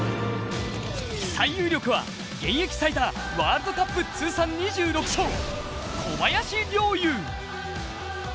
最有力は、現役最多ワールドカップ通算２６勝、小林陵侑。